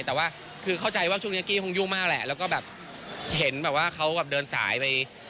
แต่ว่าคือเข้าใจว่าช่วงนี้กี้คงยุ่งมากแหละแล้วก็แบบเห็นแบบว่าเขาแบบเดินสายไป